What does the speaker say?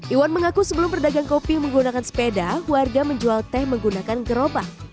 iwan mengaku sebelum berdagang kopi menggunakan sepeda warga menjual teh menggunakan gerobak